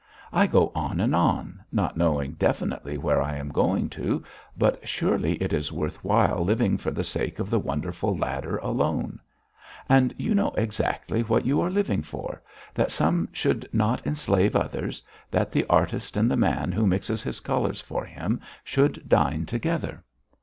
I go on and on, not knowing definitely where I am going to, but surely it is worth while living for the sake of the wonderful ladder alone. And you know exactly what you are living for that some should not enslave others, that the artist and the man who mixes his colours for him should dine together.